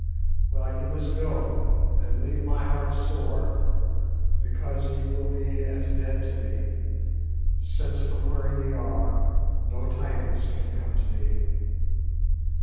Well, ye must go, and leave my heart sore, because ye will be as dead to me, since from where ye are no tidings can come to me.